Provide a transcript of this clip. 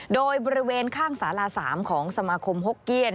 โดยบริเวณข้างสารา๓ของสมาคมฮกเกี้ยน